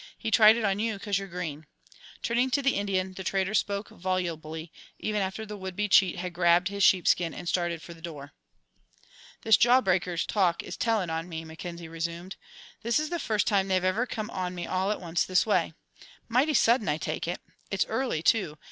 He tried it on you 'cause you're green." Turning to the Indian, the trader spoke volubly, even after the would be cheat had grabbed his sheep skin and started for the door. "This jawbreaker talk is tellin' on me," Mackenzie resumed. "This is the first time they've ever come on me all at once this way. Mighty sudden, I take it. It's early, too.